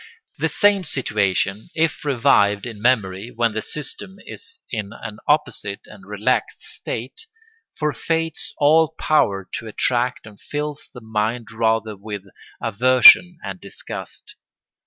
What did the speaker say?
The same situation, if revived in memory when the system is in an opposite and relaxed state, forfeits all power to attract and fills the mind rather with aversion and disgust.